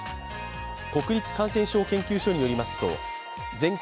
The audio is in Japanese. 国立感染症研究所によりますと全国